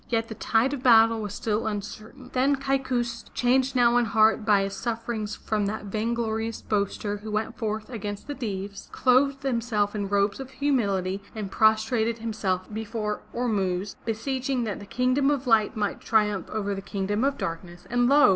Yet the tide of battle was still uncertain. Then Kaikous, changed now in heart by his sufferings from that vainglorious boaster who went forth against the Deevs, clothed himself in robes of humility and prostrated himself before Ormuzd, beseeching that the Kingdom of Light might triumph over the Kingdom of Darkness, and lo!